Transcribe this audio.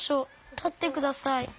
たってください。